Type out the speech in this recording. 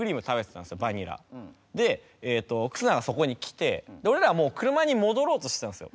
で忽那がそこに来て俺らはもう車に戻ろうとしてたんですよ。